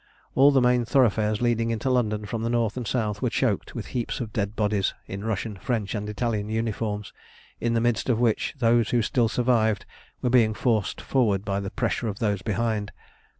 All the main thoroughfares leading into London from the north and south were choked with heaps of dead bodies in Russian, French, and Italian uniforms, in the midst of which those who still survived were being forced forward by the pressure of those behind.